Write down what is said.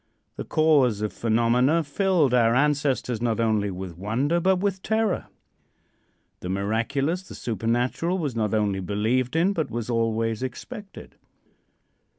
The cause of phenomena filled our ancestors not only with wonder, but with terror. The miraculous, the supernatural, was not only believed in, but was always expected.